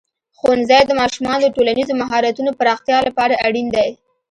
ښوونځی د ماشومانو د ټولنیزو مهارتونو پراختیا لپاره اړین دی.